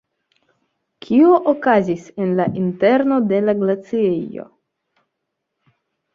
Kio okazis en la interno de la glaciejo?